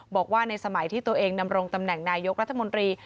บอกว่าในสมัยที่ตัวเองดำรงตำแหน่งนายกรัฐมนตรี